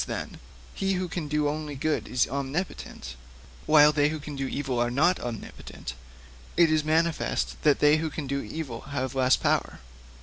'Since, then, he who can do only good is omnipotent, while they who can do evil also are not omnipotent, it is manifest that they who can do evil have less power.